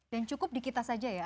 dan cukup di kita saja ya